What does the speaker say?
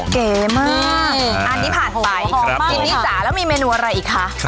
เก๋มากอันนี้ผ่านไปหอมมากทีนี้จ๋าแล้วมีเมนูอะไรอีกคะ